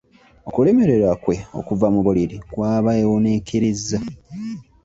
Okulemererwa kwe okuva mu buliri kwabeewuniikirizza.